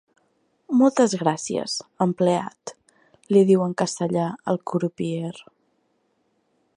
Moltes gràcies, empleat —li diu en castellà al crupier—.